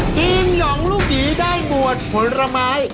ทีมหย่องลูกหยีได้รีปวดผลไม้